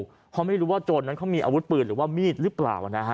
อะไรไม่ถูกเค้าไม่รู้ว่าจนนั้นเค้ามีอาวุธปืนหรือว่ามีดหรือเปล่านะฮะ